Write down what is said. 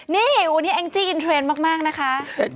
นี่วันนี้แองจี้อินเทรนด์มากนะคะ